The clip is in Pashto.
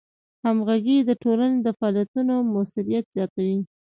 همغږي د ټولنې د فعالیتونو موثریت زیاتوي.